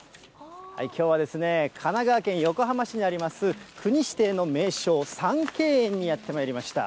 きょうは神奈川県横浜市にあります、国指定の名勝、三渓園にやってまいりました。